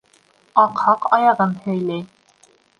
Аҡһаҡ аяғын һөйләй.